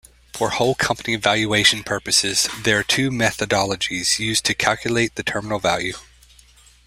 For whole-company valuation purposes, there are two methodologies used to calculate the Terminal Value.